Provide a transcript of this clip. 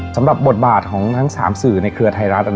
สำหรับบทบาทของทั้ง๓สื่อในเครือไทยรัฐ